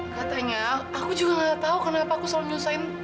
katanya aku juga gak tahu kenapa aku selalu nyusain